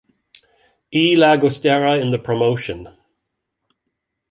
E. Llagostera in the promotion.